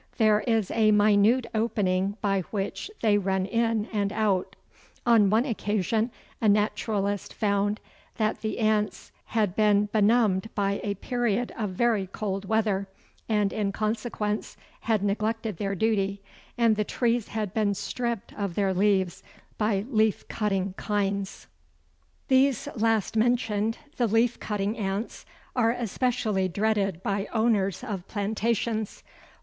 There is a minute opening by which they run in and out. On one occasion a naturalist found that the ants had been benumbed by a period of very cold weather, and in consequence had neglected their duty, and the trees had been stripped of their leaves by leaf cutting kinds. Belt, Naturalist in Nicaragua. These last mentioned, the leaf cutting ants, are especially dreaded by owners of plantations.